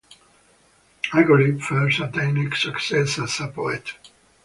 Agolli first attained success as a poet.